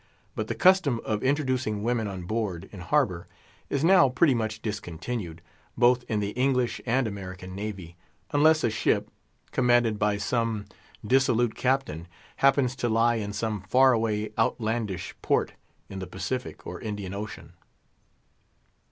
But the custom of introducing women on board, in harbour, is now pretty much discontinued, both in the English and American Navy, unless a ship, commanded by some dissolute Captain, happens to lie in some far away, outlandish port, in the Pacific or Indian Ocean.